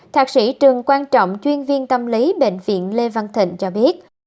thạc sĩ trường quan trọng chuyên viên tâm lý bệnh viện lê văn thịnh cho biết